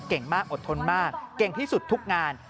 เก่งมากอดทนมากเก่งที่สุดทุกงาน